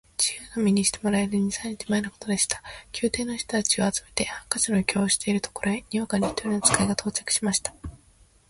自由の身にしてもらえる二三日前のことでした。宮廷の人たちを集めて、ハンカチの余興をしているところへ、にわかに一人の使が到着しました。